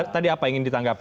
tadi apa yang ingin ditanggapi